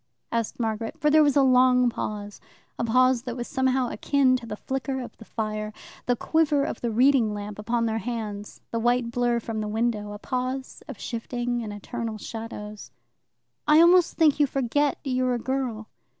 asked Margaret, for there was a long pause a pause that was somehow akin to the flicker of the fire, the quiver of the reading lamp upon their hands, the white blur from the window; a pause of shifting and eternal shadows. "I almost think you forget you're a girl."